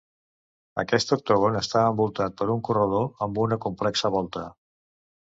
Aquest octògon està envoltat per un corredor amb una complexa volta.